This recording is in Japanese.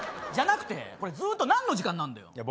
じゃなくてこれずっと何の時間なんだよ。